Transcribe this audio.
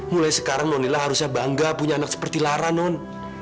mulai sekarang monila harusnya bangga punya anak seperti lara non